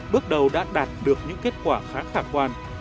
bước đầu đã đạt được những kết quả khá khả quan